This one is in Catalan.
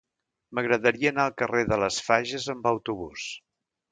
M'agradaria anar al carrer de les Fages amb autobús.